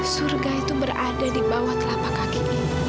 surga itu berada di bawah telapak kaki